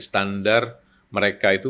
standar mereka itu